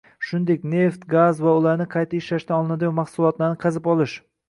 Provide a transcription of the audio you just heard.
shuningdek neft, gaz va ularni qayta ishlashdan olinadigan mahsulotlarni qazib olish